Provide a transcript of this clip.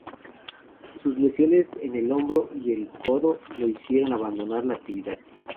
Sus lesiones en el hombro y el codo lo hicieron abandonar la actividad.